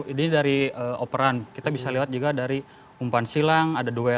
ini dari operan kita bisa lihat juga dari umpan silang ada duel